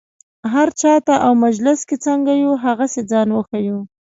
هر چا ته او مجلس کې څنګه یو هغسې ځان وښیو.